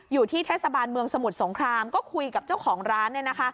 อยู่ที่เทศบาลเมืองสมุทรสงครามก็คุยกับเจ้าของร้าน